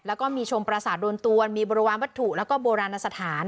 แล้วก็มีชมประสาทโดนตวนมีบริวารวัตถุแล้วก็โบราณสถาน